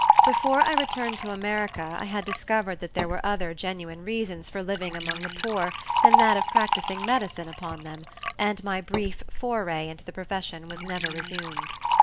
Before I returned to America I had discovered that there were other genuine reasons for living among the poor than that of practicing medicine upon them, and my brief foray into the profession was never resumed.